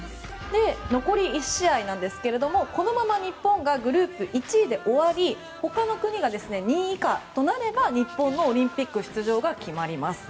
残り１試合ですが、このまま日本がグループ１位で終わり他の国が２位以下となれば日本のオリンピック出場が決まります。